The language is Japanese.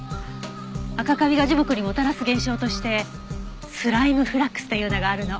アカカビが樹木にもたらす現象としてスライム・フラックスというのがあるの。